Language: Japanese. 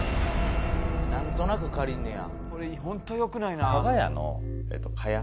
なんとなく借りんねや。